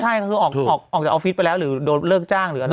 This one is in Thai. ใช่คือออกจากออฟฟิศไปแล้วหรือโดนเลิกจ้างหรืออะไร